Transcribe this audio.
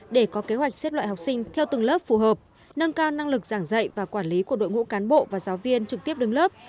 để có kế hoạch xếp loại học sinh theo từng lớp phù hợp nâng cao năng lực giảng dạy và quản lý của đội ngũ cán bộ và giáo viên trực tiếp đứng lớp